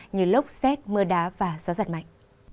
như lốc xét mưa đá và gió giật mạnh